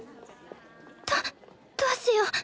どどうしよう。